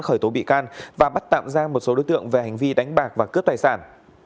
khởi tố bị can và bắt tạm ra một số đối tượng về hành vi đánh bạc và cướp tài sản